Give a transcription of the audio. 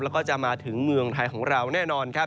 แล้วก็จะมาถึงเมืองไทยของเราแน่นอนครับ